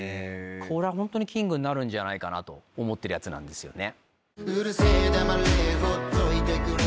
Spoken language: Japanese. これはホントにキングになるんじゃないかなと思ってるヤツなんですよね。